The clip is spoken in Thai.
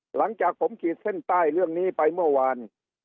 หลังจากผมขีดเส้นใต้เรื่องนี้ไปเมื่อวาน